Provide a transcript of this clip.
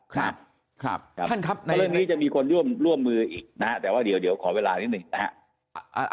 ครับครับท่านครับเรื่องนี้จะมีคนร่วมร่วมมืออีกนะแต่ว่าเดี๋ยวขอเวลานิดหนึ่งนะฮะ